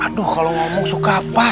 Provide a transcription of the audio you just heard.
aduh kalau ngomong suka apa